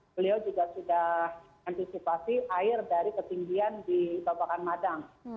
beliau juga sudah antisipasi air dari ketinggian di babakan madang